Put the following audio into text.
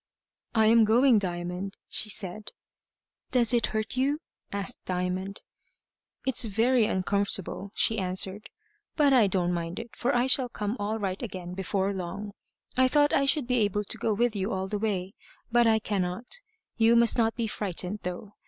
"I am going, Diamond," she said. "Does it hurt you?" asked Diamond. "It's very uncomfortable," she answered; "but I don't mind it, for I shall come all right again before long. I thought I should be able to go with you all the way, but I cannot. You must not be frightened though.